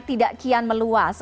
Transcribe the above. tidak kian meluas